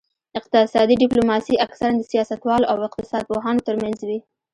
اقتصادي ډیپلوماسي اکثراً د سیاستوالو او اقتصاد پوهانو ترمنځ وي